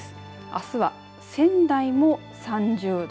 あすは仙台も３０度。